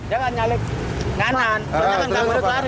jangan nyalip ke kanan karena kan kamu harus lari